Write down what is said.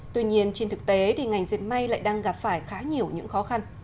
tuy nhiên trên thực tế thì ngành diệt may lại đang gặp phải khá nhiều những khó khăn